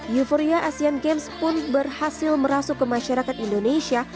euforia asian games pun berhasil merasuk ke masyarakat indonesia